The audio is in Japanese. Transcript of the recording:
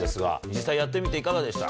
実際やってみていかがでした？